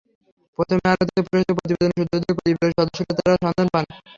প্রথম আলোতে প্রকাশিত প্রতিবেদনের সূত্র ধরে পরিবারের সদস্যরা তাঁর সন্ধান পান।